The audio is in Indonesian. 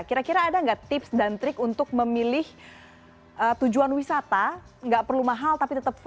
kira kira ada nggak tips dan trik untuk memilih tujuan wisata nggak perlu mahal tapi tetap ful